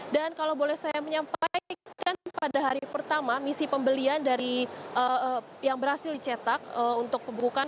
dan kalau boleh saya menyampaikan pada hari pertama misi pembelian yang berhasil dicetak untuk pembukaan